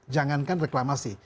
jangan kan reklamasi